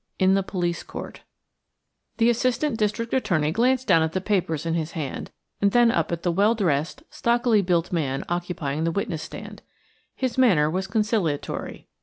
IN THE POLICE COURT The Assistant District Attorney glanced down at the papers in his hand and then up at the well dressed, stockily built man occupying the witness stand. His manner was conciliatory.